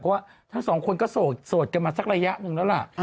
เพราะว่าทั้งสองคนก็โสดกันมาสักระยะหนึ่งแล้วล่ะ